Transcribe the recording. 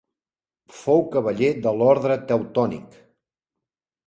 Fou cavaller de l'orde Teutònic.